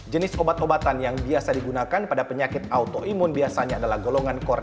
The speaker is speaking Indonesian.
jenis obat obatan yang biasa digunakan pada penyakit autoimun biasanya adalah golongan